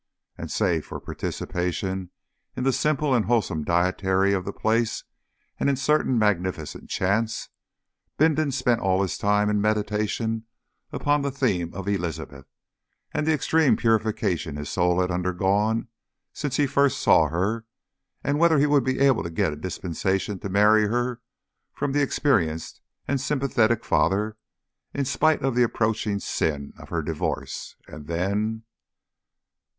And, save for participation in the simple and wholesome dietary of the place and in certain magnificent chants, Bindon spent all his time in meditation upon the theme of Elizabeth, and the extreme purification his soul had undergone since he first saw her, and whether he would be able to get a dispensation to marry her from the experienced and sympathetic Father in spite of the approaching "sin" of her divorce; and then